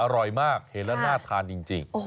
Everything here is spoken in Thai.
อร่อยมากเห็นแล้วน่าทานจริง